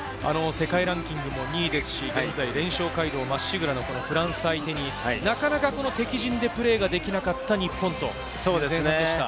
世界ランキング２位ですし、現在連勝街道まっしぐらのフランス相手になかなか敵陣でプレーができなかった日本ということですね。